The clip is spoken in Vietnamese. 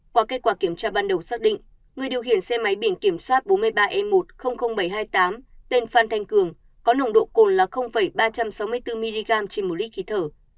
qua kết quả kiểm tra ban đầu xác định người điều khiển xe máy biển kiểm soát bốn mươi ba e một bảy trăm hai mươi tám tên phan thanh cường có nồng độ cồn là ba trăm sáu mươi bốn mg trên một lít khí thở